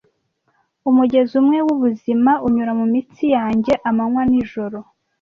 Umugezi umwe wubuzima unyura mumitsi yanjye amanywa n'ijoro